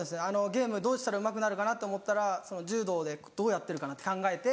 ゲームどうしたらうまくなるかな？と思ったら柔道でどうやってるかな？って考えて。